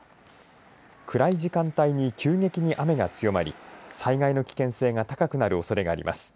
暗い時間帯に急激に雨が強まり災害の危険性が高くなるおそれがあります。